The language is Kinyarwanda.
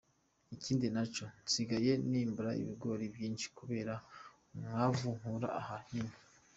Ikindi na co, nsigaye nimbura ibigori vyinshi kubera umwavu nkura aha nyene.